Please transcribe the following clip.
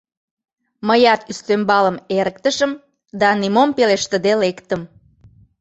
Мыят ӱстембалым эрыктышым да нимом пелештыде лектым.